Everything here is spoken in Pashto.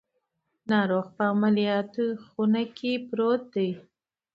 ناروغ په عملیاتو خونه کې پروت دی.